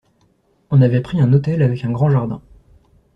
On avait pris un hôtel avec un grand jardin.